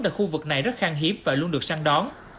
tại khu vực này rất kháng hiếp và luôn được săn đón